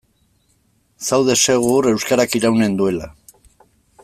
Zaude segur euskarak iraunen duela.